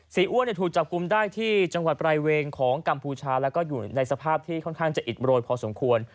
อ้วนถูกจับกลุ่มได้ที่จังหวัดปลายเวงของกัมพูชาแล้วก็อยู่ในสภาพที่ค่อนข้างจะอิดโรยพอสมควร